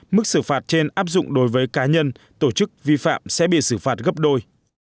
mức xử phạt trên áp dụng đối với cá nhân tổ chức vi phạm sẽ bị xử phạt gấp đôi